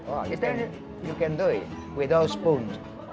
anda bisa melakukannya tanpa kacang